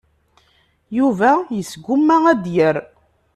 Yuba yesguma ad d-yerr.